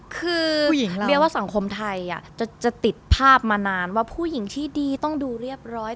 คือเบียว่าสังคมไทยจะติดภาพมานานว่าผู้หญิงที่ดีต้องดูเรียบร้อย